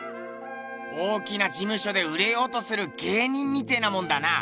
大きな事務所で売れようとする芸人みてえなもんだな。